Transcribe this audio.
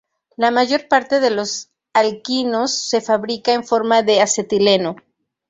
La mayor parte de los alquinos se fabrica en forma de acetileno.